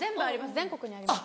全国にあります。